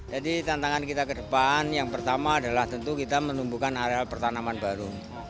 jadi tantangan kita ke depan yang pertama adalah tentu kita menumbuhkan area pertanaman baru